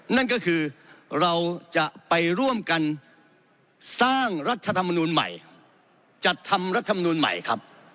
นั่นก็คือเราจะไปร่วมกันสร้างรัฐธรรมนูลใหม่จัดทำรัฐมนูลใหม่ครับ